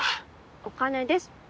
お金です。